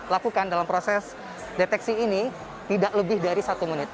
lakukan dalam proses deteksi ini tidak lebih dari satu menit